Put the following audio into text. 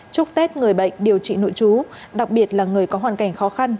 chúc tết người bệnh điều trị nội chú đặc biệt là người có hoàn cảnh khó khăn